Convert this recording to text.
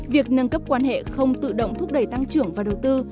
việc nâng cấp quan hệ không tự động thúc đẩy tăng trưởng và đầu tư